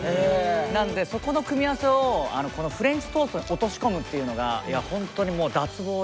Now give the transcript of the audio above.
なんでそこの組み合わせをこのフレンチトーストに落とし込むっていうのが本当にもう脱帽ですね。